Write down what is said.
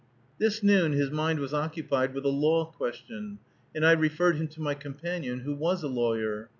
This noon his mind was occupied with a law question, and I referred him to my companion, who was a lawyer.